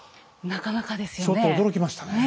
なかなかですよね。